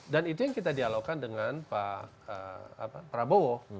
dan itu yang kita dialogkan dengan pak prabowo